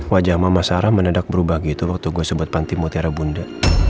wajah mama sarah mendadak berubah gitu waktu gue sebut panti mutiara bunda